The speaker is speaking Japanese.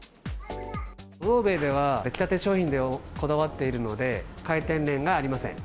魚べいでは、出来たて商品にこだわっているので、回転レーンがありません。